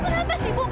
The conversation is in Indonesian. ibu kenapa sih ibu